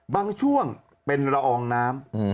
บางช่วงเป็นละอองน้ำ